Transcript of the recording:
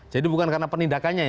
bukan karena penindakannya ya